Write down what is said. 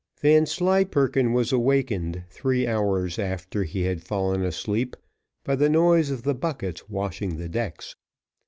Vanslyperken was awakened three hours after he had fallen asleep by the noise of the buckets washing the decks.